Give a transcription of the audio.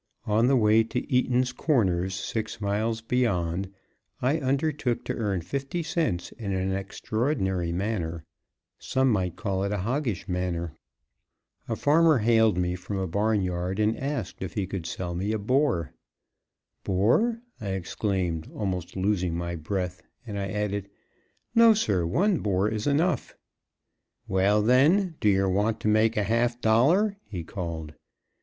On the way to Eaton's Corners, six miles beyond, I undertook to earn fifty cents in an extraordinary manner; some might call it a hoggish manner. A farmer hailed me from a barnyard, and asked if he could sell me a boar. "Boar!" I exclaimed, almost losing my breath; and I added: "No, sir; one boar is enough." "Well, then, do yer want to make a half dollar?" he called.